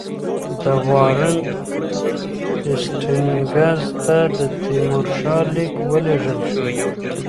د وارن هېسټینګز ته د تیمورشاه لیک ولېږل شو.